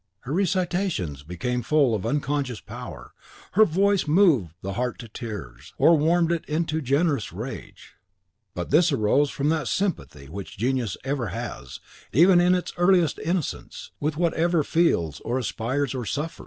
Her recitations became full of unconscious power; her voice moved the heart to tears, or warmed it into generous rage. But this arose from that sympathy which genius ever has, even in its earliest innocence, with whatever feels, or aspires, or suffers.